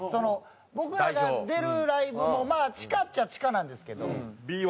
僕らが出るライブもまあ地下っちゃ地下なんですけど。